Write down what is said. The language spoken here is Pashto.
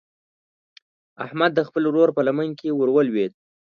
احمد د خپل ورور په لمن کې ور ولوېد.